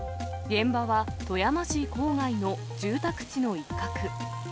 現場は富山市郊外の住宅地の一角。